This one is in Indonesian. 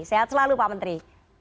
sehat selalu pak menteri